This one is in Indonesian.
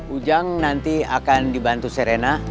ujang nanti akan dibantu serena